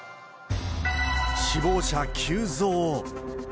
死亡者急増。